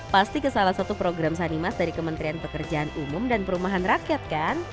pasti ke salah satu program sanimas dari kementerian pekerjaan umum dan perumahan rakyat kan